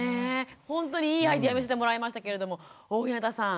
ほんとにいいアイデア見せてもらいましたけれども大日向さん